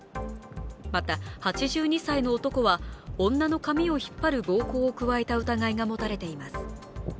また８２歳の男は女の髪を引っ張る暴行を加えた疑いが持たれています。